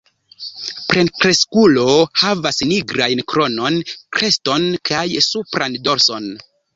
Plenkreskulo havas nigrajn kronon, kreston kaj supran dorson.